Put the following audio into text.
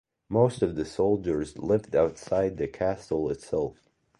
Most of the soldiers lived outside the castle itself.